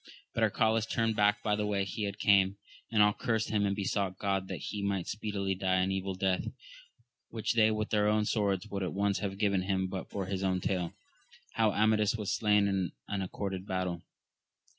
But Arcalaus turned back by the way he came, and all cursed him and besotight God that he might speedily die an evil death, which they with their own swords wo aid at once have given him but for his own tale, how Amadis was slain in an accorded battle.